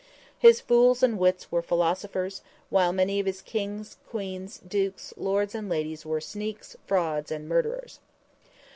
His fools and wits were philosophers, while many of his kings, queens, dukes, lords and ladies were sneaks, frauds and murderers.